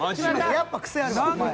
やっぱクセあるわお前。